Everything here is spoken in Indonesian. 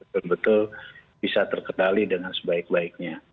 betul betul bisa terkendali dengan sebaik baiknya